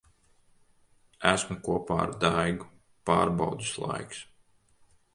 Esmu kopā ar Daigu. Pārbaudes laiks.